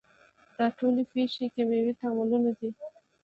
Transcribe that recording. دا ټولې پیښې کیمیاوي تعاملونه دي.